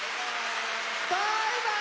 バイバーイ！